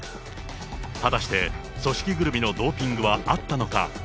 果たして、組織ぐるみのドーピングはあったのか。